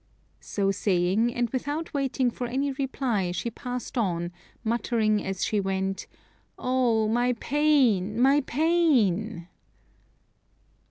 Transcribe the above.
So saying, and without waiting for any reply, she passed on, muttering as she went, "Oh! my pain! my pain!"